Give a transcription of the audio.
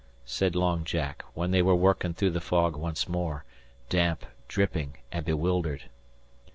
said Long Jack, when they were working through the fog once more, damp, dripping, and bewildered.